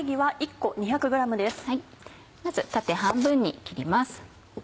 まず縦半分に切ります。